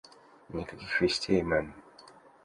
Никаких вестей, мэм.